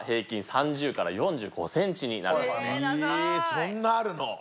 そんなあるの？